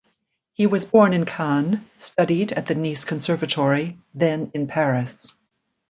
He was born in Cannes, studied at the Nice Conservatory, then in Paris.